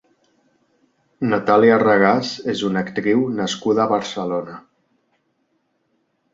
Natalia Regás és una actriu nascuda a Barcelona.